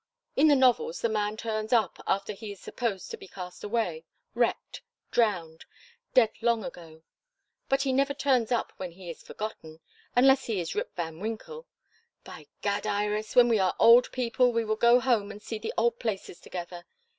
In the novels the man turns up after he is supposed to be cast away wrecked drowned dead long ago. But he never turns up when he is forgotten unless he is Rip Van Winkle. By Gad, Iris! when we are old people we will go home and see the old places together.